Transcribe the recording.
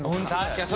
確かに！